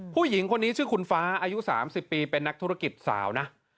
ผู้หญิงคนนี้ชื่อคุณฟ้าอายุ๓๐ปีเป็นนักธุรกิจสาวนะ